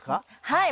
はい！